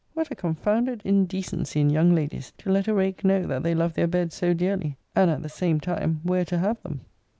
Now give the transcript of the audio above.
What a confounded indecency in young ladies, to let a rake know that they love their beds so dearly, and, at the same time, where to have them!